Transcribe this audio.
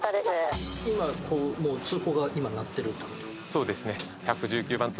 そうですね。